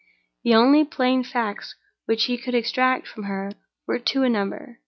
The only plain facts which he could extract from her were two in number.